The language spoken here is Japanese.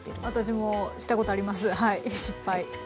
私もしたことあります失敗。